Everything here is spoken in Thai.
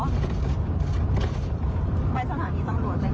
เขาทำไมทำแบบนี้อ่ะเขาชนด้วยเนี่ย